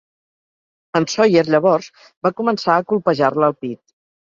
En Sawyer, llavors, va començar a colpejar-la al pit.